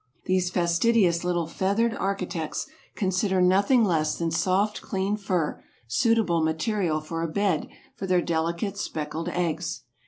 These fastidious little feathered architects consider nothing less than soft clean fur suitable material for a bed for their delicate speckled eggs.